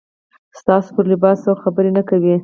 ستاسو پر لباس څوک خبره نه کوي.